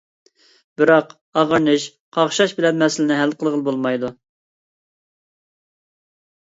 بىراق، ئاغرىنىش، قاقشاش بىلەن مەسىلىنى ھەل قىلغىلى بولمايدۇ.